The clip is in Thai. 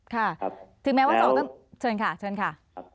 ถึงแม้ว่าเชิญค่ะ